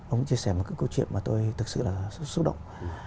ông ấy chia sẻ một câu chuyện mà tôi thực sự là xúc động